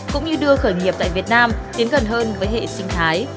cũng như đưa khởi nghiệp tại việt nam tiến gần hơn với hệ sinh thái